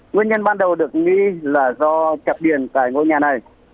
nguyên nhân ban đầu được nghĩ là do kẹp điền tại ngôi nhà này